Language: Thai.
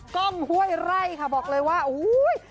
กล้องห้วยไร่ค่ะบอกเลยว่าโอ้โห